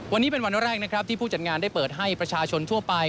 วันนี้เป็นวันแรกนะครับที่ผู้จัดงานได้เปิดให้ประชาชนทั่วไป